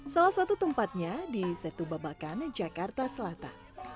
salah satu tempatnya di setu babakan jakarta selatan